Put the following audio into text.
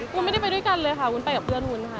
คุณไม่ได้ไปด้วยกันเลยค่ะคุณไปกับเพื่อนคุณค่ะแต่ว่า